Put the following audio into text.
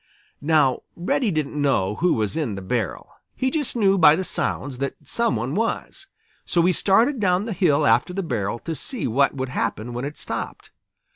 Now Reddy didn't know who was in the barrel. He just knew by the sounds that some one was. So he started down the hill after the barrel to see what would happen when it stopped.